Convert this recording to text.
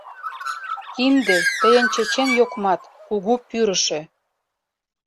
Кинде — тыйын чечен йокмат, кугу пӱрышӧ.